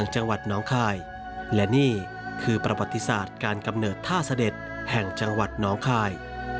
แห่งจังหวัดน้องคาย